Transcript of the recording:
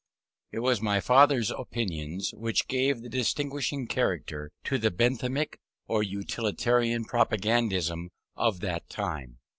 If was my father's opinions which gave the distinguishing character to the Benthamic or utilitarian propagandism of that time.